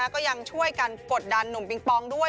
ก็ยังช่วยกันกดดันหนุ่มปิงปองด้วย